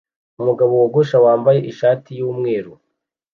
Umugabo wogosha wambaye ishati yumweru